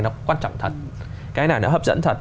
nó quan trọng thật cái này nó hấp dẫn thật